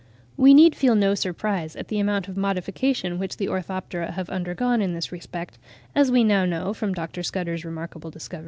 We need feel no surprise at the amount of modification which the Orthoptera have undergone in this respect, as we now know, from Dr. Scudder's remarkable discovery (44.